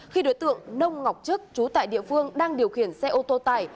khi đối tượng nông ngọc trức trú tại địa phương đang điều khiển xe ô tô tải